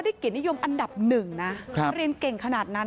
เกียรตินิยมอันดับหนึ่งนะเรียนเก่งขนาดนั้น